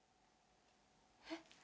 「えっ？」